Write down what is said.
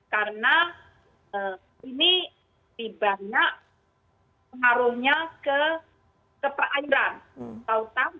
karena ini banyak pengaruhnya ke perairan